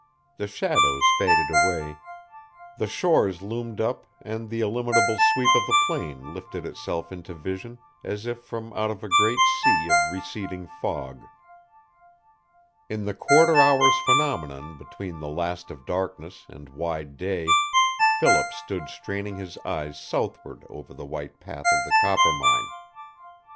The shadows faded away, the shores loomed up and the illimitable sweep of the plain lifted itself into vision as if from out of a great sea of receding fog. In the quarter hour's phenomenon between the last of darkness and wide day Philip stood straining his eyes southward over the white path of the Coppermine.